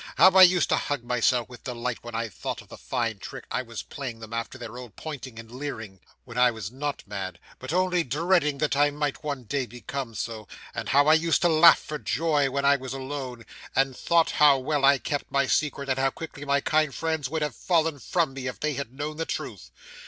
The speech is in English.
How I used to hug myself with delight, when I thought of the fine trick I was playing them after their old pointing and leering, when I was not mad, but only dreading that I might one day become so! And how I used to laugh for joy, when I was alone, and thought how well I kept my secret, and how quickly my kind friends would have fallen from me, if they had known the truth.